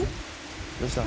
どうした？